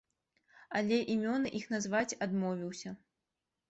Але імёны іх назваць адмовіўся.